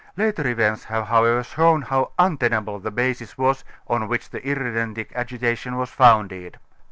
Later events have however shown how untenable the basis was on which the irredentic agitation was founded.